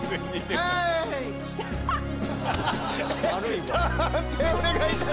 判定判定お願いします！